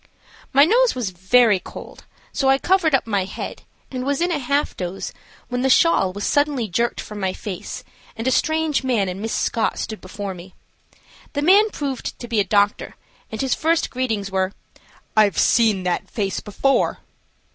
My nose was very cold, so I covered up my head and was in a half doze, when the shawl was suddenly jerked from my face and a strange man and Miss Scott stood before me. The man proved to be a doctor, and his first greetings were: "I've seen that face before."